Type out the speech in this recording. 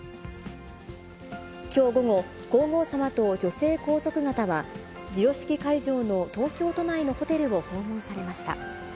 きょう午後、皇后さまと女性皇族方は、授与式会場の東京都内のホテルを訪問されました。